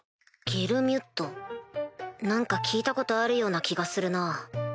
何か聞いたことあるような気がするな。